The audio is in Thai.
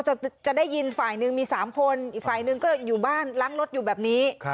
จะได้ยินฝ่ายหนึ่งมี๓คนอีกฝ่ายหนึ่งก็อยู่บ้านล้างรถอยู่แบบนี้